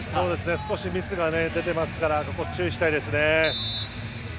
少しミスが出てますからここ、注意したいですね。